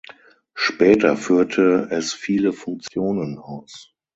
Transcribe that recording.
Später führte es viele Funktionen aus.